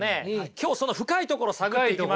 今日その深いところ探っていきますから。